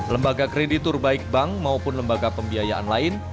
lembaga kreditur baik bank maupun lembaga pembiayaan lain